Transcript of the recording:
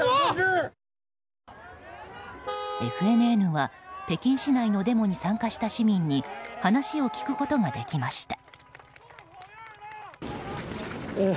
ＦＮＮは北京市内のデモに参加した市民に話を聞くことができました。